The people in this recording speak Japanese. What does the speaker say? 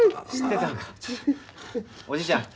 おじいちゃん